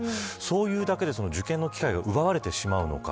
そういうだけ受験の機会が奪われてしまうのか。